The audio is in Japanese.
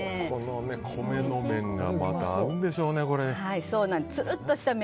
米の麺がまた合うんでしょうね。